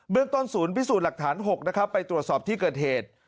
ต้นศูนย์พิสูจน์หลักฐาน๖นะครับไปตรวจสอบที่เกิดเหตุ